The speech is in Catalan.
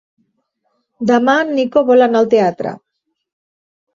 Demà en Nico vol anar al teatre.